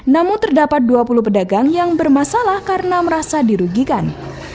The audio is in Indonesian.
namun terdapat dua puluh pedagang yang bermasalah karena merasa dirugikan